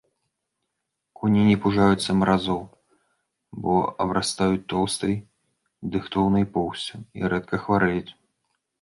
Коні не пужаюцца маразоў, бо абрастаюць тоўстай, дыхтоўнай поўсцю, і рэдка хварэюць.